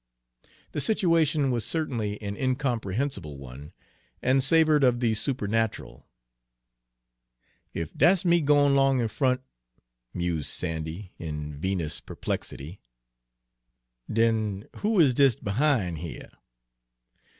The situation was certainly an incomprehensible one, and savored of the supernatural. "Ef dat's me gwine 'long in front," mused Sandy, in vinous perplexity, "den who is dis behin' here?